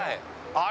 あれ。